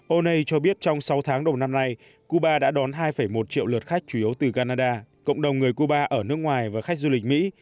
onei cho biết trong sáu tháng đầu năm nay cuba đã đón hai một triệu lượt khách chủ yếu từ canada cộng đồng người cuba ở nước ngoài và khách du lịch mỹ